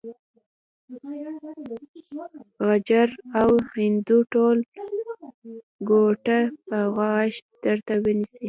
غجر او هندو ټول ګوته په غاښ درته ونيسي.